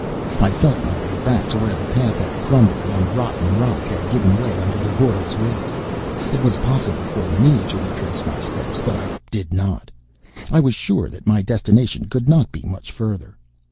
I felt my way back to where the path had crumbled and rotten rock had given way under the burro's weight. It was possible for me to retrace my steps, but I did not. I was sure that my destination could not be much further.